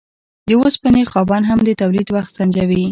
د اوسپنې خاوند هم د تولید وخت سنجوي.